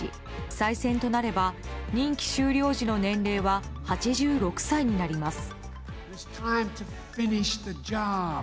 再選となれば任期終了時の年齢は８６歳になります。